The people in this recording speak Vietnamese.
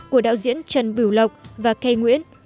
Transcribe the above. của đạo diễn trần bửu lộc và kay nguyễn